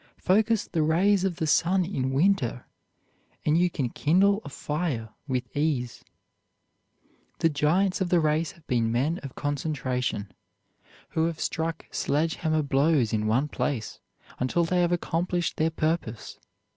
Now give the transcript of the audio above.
Focus the rays of the sun in winter, and you can kindle a fire with ease. The giants of the race have been men of concentration, who have struck sledgehammer blows in one place until they have accomplished their purpose.